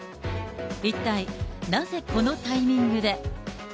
一体、なぜこのタイミングで。